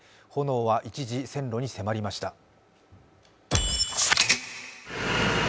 炎は一時、線路に迫りました。